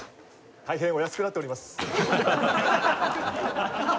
大変お安くなっております。